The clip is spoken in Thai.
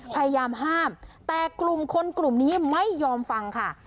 พยายามห้ามแต่กลุ่มคนกลุ่มนี้ไม่ยอมฟังค่ะ